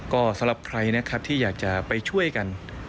ก็สำหรับใครนะครับที่อยากจะไปช่วยกัน